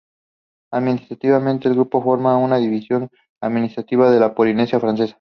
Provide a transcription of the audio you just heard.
Administrativamente el grupo forma una subdivisión administrativa de la Polinesia Francesa.